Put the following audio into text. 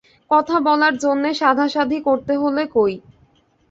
কথা বলার জন্যে সাধাসাধি করতে হল কই?